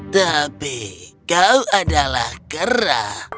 tapi kau adalah kera